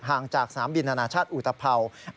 จากสนามบินอนาชาติอุตภัวร์